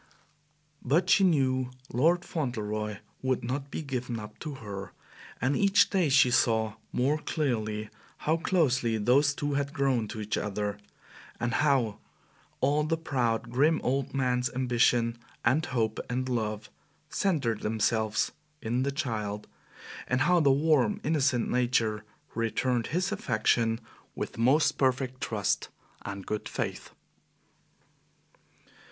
But she knew Fauntleroy would not be given up to her, and each day she saw more clearly how closely those two had grown to each other, and how all the proud, grim old man's ambition and hope and love centered themselves in the child, and how the warm, innocent nature returned his affection with most perfect trust and good faith.